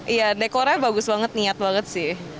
iya dekornya bagus banget niat banget sih